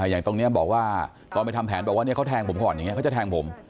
อย่างตรงนี้บอกว่าตอนไปทำแผนบอกว่าเขาแทงผมก่อนอย่างนี้เขาจะแทงผม